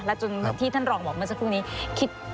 แล้วจนที่ท่านรองบอกเมื่อสักครู่นี้